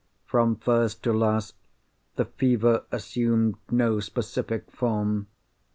"From first to last the fever assumed no specific form.